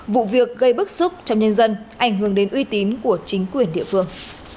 vụ việc gây bức xúc trong nhân dân ảnh hưởng đến uy tín của chính quyền địa phương